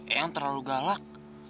eyang terlalu galak